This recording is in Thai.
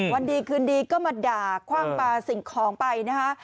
วันดีคืนดีก็มาด่าคว่างปลาสิ่งของไปนะคะ